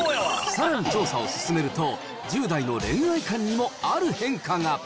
さらに調査を進めると、１０代の恋愛観にもある変化が。